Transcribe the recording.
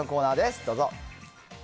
どうぞ。